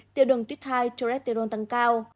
tiêu đồng tuyết thai trô rét tiêu đôn tăng cao